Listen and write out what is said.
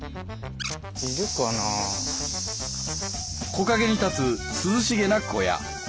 木陰に建つ涼しげな小屋。